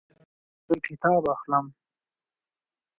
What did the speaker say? زه کتاب اخلم